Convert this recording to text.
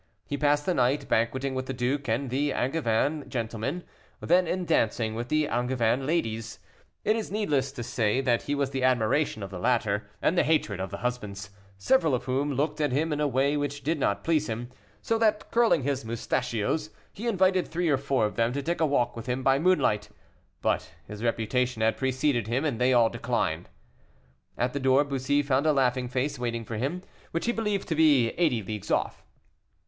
He passed the night banqueting with the duke and the Angevin gentlemen, then in dancing with the Angevin ladies. It is needless to say that he was the admiration of the latter, and the hatred of the husbands, several of whom looked at him in a way which did not please him, so that, curling his mustachios, he invited three or four of them to take a walk with him by moonlight; but his reputation had preceded him, and they all declined. At the door Bussy found a laughing face waiting for him, which he believed to be eighty leagues off.